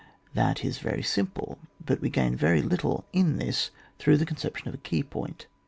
That is very simple, but we gain very little in this through the conception of a key point.